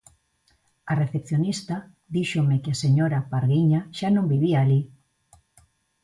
A recepcionista díxome que a señora Parguiña xa non vivía alí.